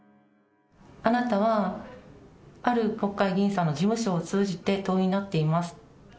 あなたは、ある国会議員さんの事務所を通じて党員になっています。